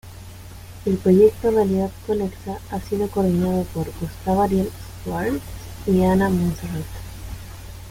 El proyecto "Realidad Conexa" ha sido coordinado por Gustavo Ariel Schwartz y Ana Montserrat.